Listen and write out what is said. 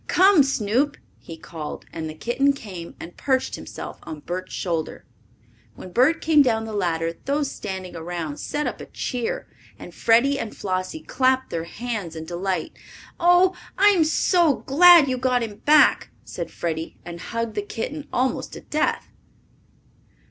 "Come, Snoop!" he called, and the kitten came and perched himself on Bert's shoulder. When Bert came down the ladder those standing around set up a cheer, and Freddie and Flossie clapped their hands in delight. "Oh, I'm so glad you got him back!" said Freddie and hugged the kitten almost to death.